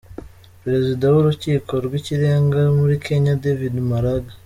Perezida w’ urukiko rw’ ikirenga muri Kenya David Maraga